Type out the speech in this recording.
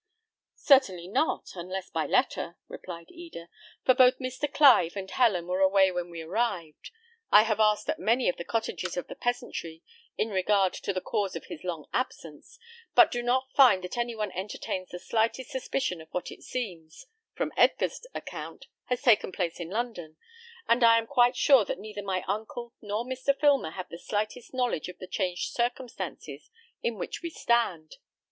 "Certainly not, unless by letter," replied Eda; "for both Mr. Clive and Helen were away when we arrived. I have asked at many of the cottages of the peasantry in regard to the cause of his long absence, but do not find that any one entertains the slightest suspicion of what it seems, from Edgar's account, has taken place in London, and I am quite sure that neither my uncle nor Mr. Filmer have the slightest knowledge of the changed circumstances in which we stand.